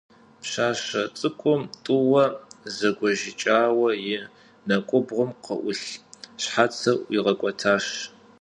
Пщащэ цӀыкӀум тӀууэ зэгуэжьыкӀауэ и нэкӀубгъум къыӀулъ щхьэцыр ӀуигъэкӀуэтащ.